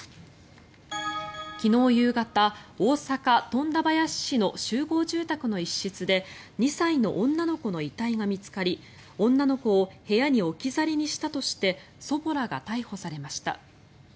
昨日夕方、大阪府富田林市の集合住宅の一室で２歳の女の子の遺体が見つかり女の子を部屋に置き去りにしたとして祖母らが逮捕されました。